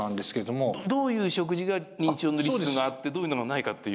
どういう食事が認知症のリスクがあってどういうのがないかっていう。